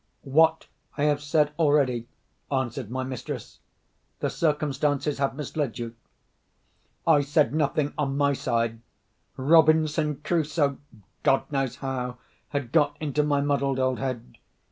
"What I have said already," answered my mistress. "The circumstances have misled you." I said nothing on my side. Robinson Crusoe—God knows how—had got into my muddled old head.